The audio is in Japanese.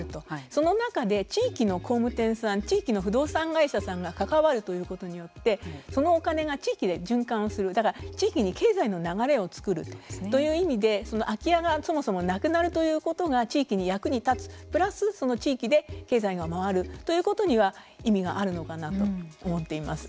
その中で、地域の工務店さん地域の不動産会社さんが関わるということによってそのお金が地域で循環するだから地域に経済の流れを作るという意味で空き家がそもそもなくなるということが地域に役に立つプラス、その地域で経済が回るということには意味があるのかなと思っています。